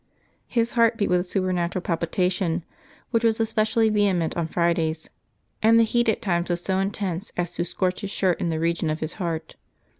His heart beat with a supernatural pal pitation, which was especially vehement on Fridays, and the heat at times was so intense as to scorch his shirt in the region of his heart.